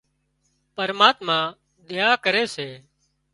پرماتما ۮيا ڪري سي